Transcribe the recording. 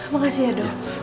makasih ya dok